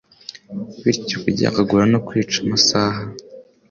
bityo kuryagagura no kwica amasaha